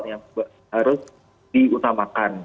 yang harus diutamakan